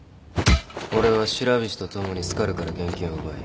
俺は白菱と共にスカルから現金を奪い。